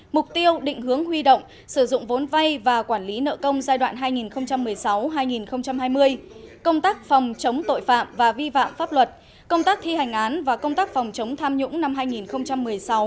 mục tiêu định hướng huy động sử dụng vốn vay và quản lý nợ công giai đoạn hai nghìn một mươi sáu hai nghìn hai mươi công tác phòng chống tội phạm và vi phạm pháp luật công tác thi hành án và công tác phòng chống tham nhũng năm hai nghìn một mươi sáu